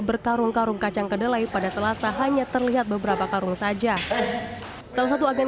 berkarung karung kacang kedelai pada selasa hanya terlihat beberapa karung saja salah satu agen